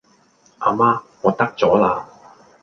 阿媽，我得咗啦!